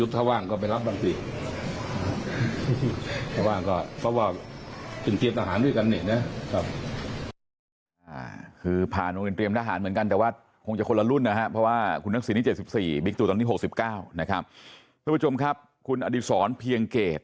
ท่านประยุทธ์ถ้าว่างก็ไปรับบ้างสิ